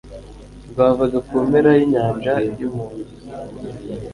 rwavaga ku mpera y'inyanja y'umunyu